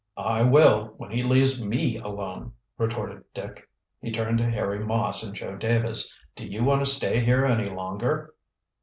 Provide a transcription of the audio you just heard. "I will, when he leaves me alone," retorted Dick. He turned to Harry Moss and Joe Davis. "Do you want to stay here any longer?"